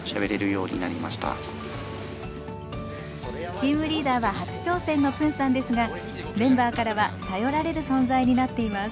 チームリーダーは初挑戦のプンさんですがメンバーからは頼られる存在になっています。